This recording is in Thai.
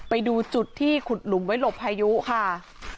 ไปดูจุดที่ขุดหลุมไว้หลบพายุค่ะ